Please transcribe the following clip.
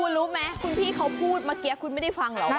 คุณรู้ไหมคุณพี่เขาพูดเมื่อกี้คุณไม่ได้ฟังหรอก